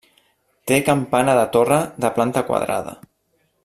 Té campana de torre de planta quadrada.